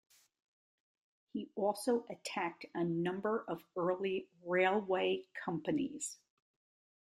He also attacked a number of early railway companies.